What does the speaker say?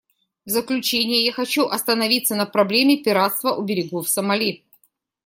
В заключение я хочу остановиться на проблеме пиратства у берегов Сомали.